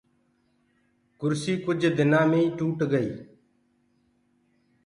ڪُرسيٚ ڪجھُ ڏيآ مي هي ٽوٽ گئي۔